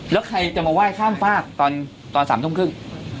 แล้วใครจะมาไหว้ข้ามฝากตอน๓ทุ่มครึ่ง